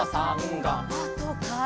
「あとから」